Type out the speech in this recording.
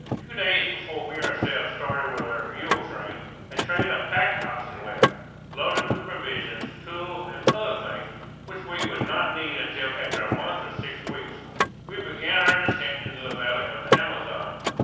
Two days before we ourselves started with our mule train, a train of pack oxen left, loaded with provisions, tools, and other things, which we would not need until, after a month or six weeks, we began our descent into the valley of the Amazon.